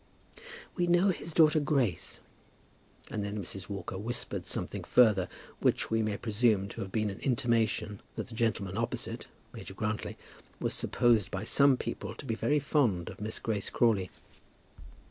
"We know his daughter Grace." And then Mrs. Walker whispered something further, which we may presume to have been an intimation that the gentleman opposite, Major Grantly, was supposed by some people to be very fond of Miss Grace Crawley.